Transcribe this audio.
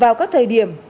vào các thời điểm